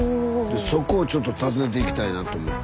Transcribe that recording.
そこをちょっと訪ねていきたいなと思って。